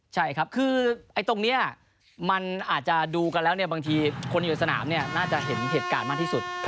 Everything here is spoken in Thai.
ใช่ครับคือตรงนี้มันอาจจะดูกันแล้วเนี่ยบางทีคนอยู่ในสนามเนี่ยน่าจะเห็นเหตุการณ์มากที่สุด